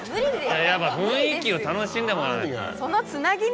やっぱ雰囲気を楽しんで。